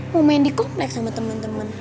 mau main di kompleks sama temen temen